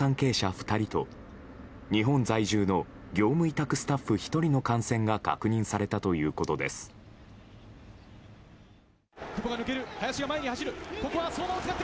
２人と、日本在住の業務委託スタッフ１人の感染が確認されたということです。